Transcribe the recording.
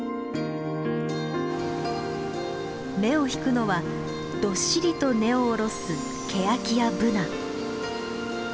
目を引くのはどっしりと根を下ろすケヤキやブナ。